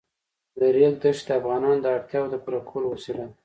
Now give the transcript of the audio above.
د ریګ دښتې د افغانانو د اړتیاوو د پوره کولو وسیله ده.